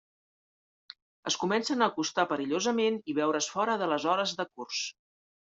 Es comencen a acostar perillosament i veure's fora de les hores de curs.